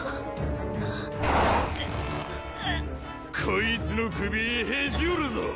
こいつの首へし折るぞ！